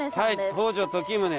北条時宗。